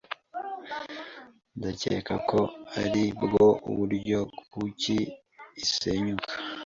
Ndakeka ko aribwo buryo kuki isenyuka.